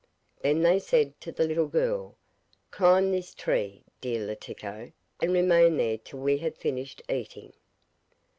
Then they said to the little girl: 'Climb this tree, dear Letiko, and remain there till we have finished eating.